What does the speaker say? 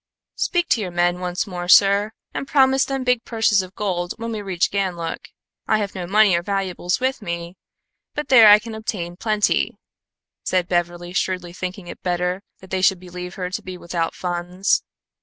"Speak to your men once more, sir, and promise them big purses of gold when we reach Ganlook. I have no money or valuables with me; but there I can obtain plenty," said Beverly, shrewdly thinking it better that they should believe her to be without funds.